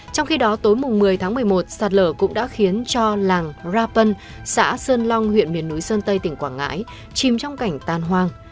trong khi đó tối một mươi tháng một mươi một sạt lở cũng đã khiến cho làng rapân xã sơn long huyện miền núi sơn tây tỉnh quảng ngãi chìm trong cảnh tan hoang